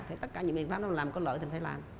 thì tất cả những biện pháp nó làm có lợi thì phải làm